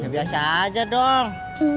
biasa aja dong